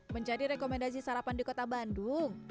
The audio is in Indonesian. menjadi rekomendasi sarapan di kota bandung